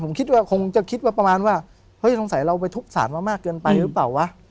ผมคิดว่าคงจะคิดว่าประมาณว่าเฮ้ยสงสัยเราไปทุบสารมามากเกินไปหรือเปล่าวะ